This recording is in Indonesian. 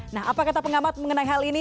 nah apa kata pengamat mengenai hal ini